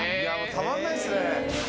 たまんないっすね。